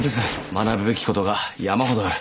学ぶべきことが山ほどある。